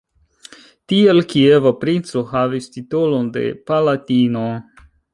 Tiel, kieva princo havis titolon de "palatino".